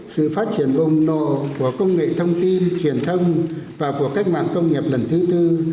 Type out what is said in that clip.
sự phát triển bồn nộ của công nghệ thông tin truyền thông và của cách mạng công nghiệp lần thứ bốn